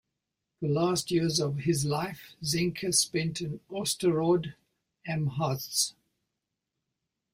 The last years of his life Zenker spent in Osterode am Harz.